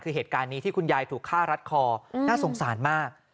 คือเหตุการณ์นี้ที่คุณยายถูกฆ่ารัดคอน่าสงสารมาก